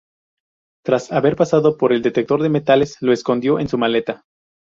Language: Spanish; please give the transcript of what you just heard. Tras haber pasado por el detector de metales, lo escondió en su maleta.